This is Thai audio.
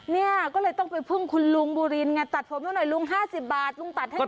เนี่ยก็เลยต้องไปพึ่งคุณลุงบูรินไงตัดผมหน่อยลุง๕๐บาทลุงตัดให้